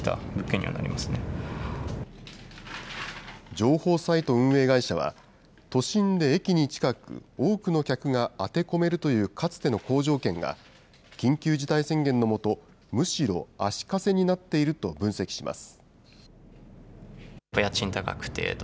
情報サイト運営会社は、都心で駅に近く、多くの客が当て込めるというかつての好条件が、緊急事態宣言のもと、むしろ足かせになっていると分析します。